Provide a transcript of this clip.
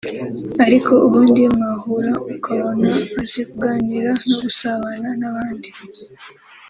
ariko ubundi mwahura ukabona azi kuganira no gusabana n’abandi